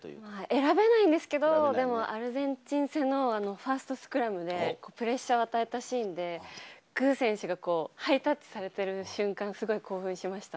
選べないんですけれども、でもアルゼンチン戦のファーストスクラムでプレッシャーを与えたシーンで、具選手がハイタッチされてる瞬間、すごい興奮しました。